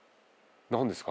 何ですか？